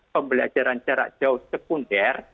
pembelajaran jarak jauh sekunder